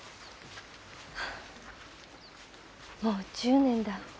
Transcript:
はあもう１０年だ。